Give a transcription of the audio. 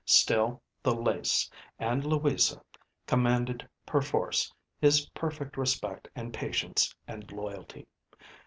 Still the lace and Louisa commanded perforce his perfect respect and patience and loyalty.